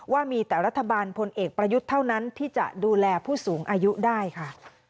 ว่ามีแต่รัฐบาลพลเอกประยุทธ์เท่านั้นที่จะดูแลผู้สูงอายุได้ค่ะ